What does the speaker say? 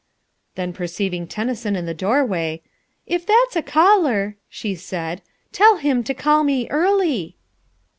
Then perceiving Tennyson in the doorway, "If that's a caller," she said, "tell him to call me early."